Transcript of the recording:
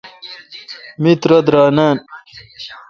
می ترہ درائ نان۔